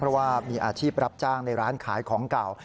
เพราะว่ามีอาชีพรับจ้างในร้านขายของเก่า